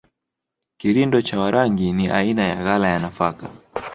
Kirindo cha Warangi ni aina ya ghala ya nafaka